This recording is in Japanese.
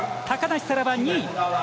高梨沙羅、２位。